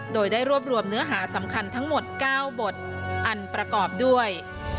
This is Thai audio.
โดยได้รวบรวมเนื้อหาสำคัญทั้งหมด๙บทอันประกอบด้วย